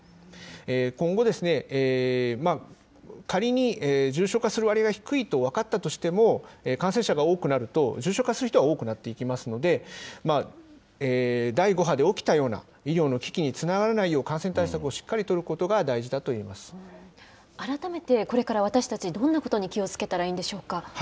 今後、仮に、重症化する割合が低いと分かったとしても、感染者が多くなると、重症化する人は多くなっていきますので、第５波で起きたような医療の危機につながらないよう、感染対策をしっかり取改めて、これから私たち、どんなことに気をつけたらいいんでしょうか。